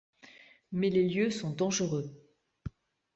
Mais les lieux sont dangereux.